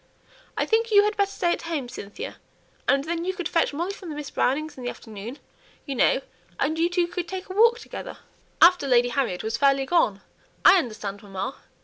I think you had better stay at home, Cynthia, and then you could fetch Molly from Miss Brownings' in the afternoon, you know, and you two could take a walk together." "After Lady Harriet was fairly gone! I understand, mamma.